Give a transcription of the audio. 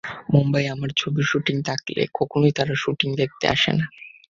মুম্বাইয়ে আমার ছবির শুটিং থাকলে কখনোই তারা শুটিং দেখতে আসে না।